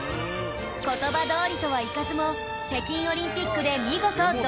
言葉どおりとはいかずも北京オリンピックで見事銅メダル